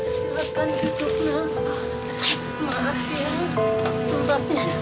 silakan hidupnya maaf ya